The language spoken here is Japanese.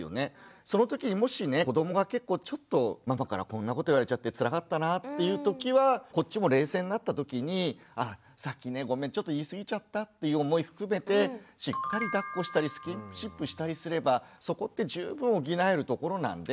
そのときにもしね子どもが結構ちょっとママからこんなこと言われちゃってつらかったなっていうときはこっちも冷静になったときに「さっきねごめんちょっと言い過ぎちゃった」っていう思い含めてしっかりだっこしたりスキンシップしたりすればそこって十分補えるところなんで。